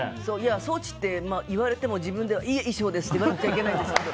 装置って言われても、自分ではいえ、衣装ですって言わないといけないんですけど。